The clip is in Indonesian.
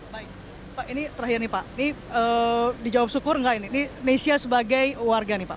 baik pak ini terakhir nih pak ini dijawab syukur nggak ini nesya sebagai warga nih pak